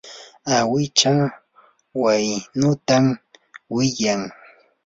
awicha waynutam wiyan.